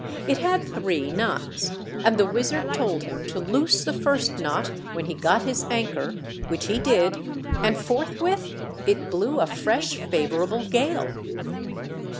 It had three knots, and the wizard told him to loose the first knot when he got his anchor, which he did, and forthwith it blew a fresh favourable gale."